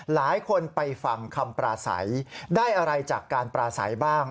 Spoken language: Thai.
หลายคนไปฟังคำปราศัยได้อะไรจากการปราศัยบ้าง